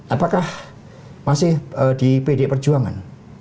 apakah masih di pdi perjuangan